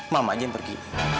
mama aja yang pergi